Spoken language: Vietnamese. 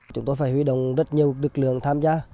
chúng tôi phải huy động rất nhiều lực lượng tham gia